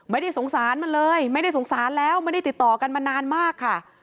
ไม่ได้สงสารมันเลยไม่ได้สงสารแล้วไม่ได้ติดต่อกันมานานมากค่ะ